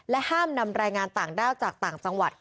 ห้ามนำแรงงานต่างด้าวจากต่างจังหวัด